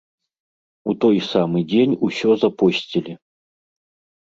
У той самы дзень усё запосцілі!